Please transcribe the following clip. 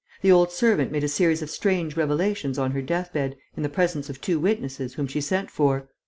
The old servant made a series of strange revelations on her death bed, in the presence of two witnesses whom she sent for.